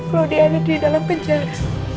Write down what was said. kalau dia ada di dalam penjara